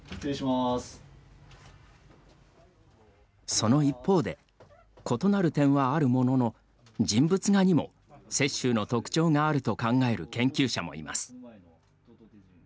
その一方で異なる点はあるものの人物画にも、雪舟の特徴があると考える研究者もいます。